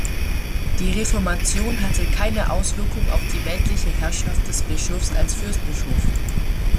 Die Reformation hatte keine Auswirkungen auf die weltliche Herrschaft des Bischofs als Fürstbischof.